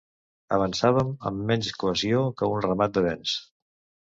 Avançàvem amb menys cohesió que un ramat de bens